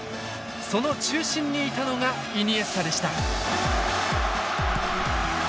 その中心にいたのがイニエスタでした。